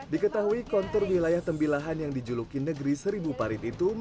diketahui kontur wilayah tembilahan yang dijuluki negeri seribu parit itu